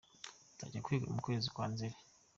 nzajya kwiga mukwezi kwa nzeri